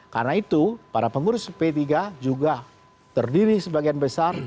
karena itu para pengurus p tiga juga terdiri sebagian besar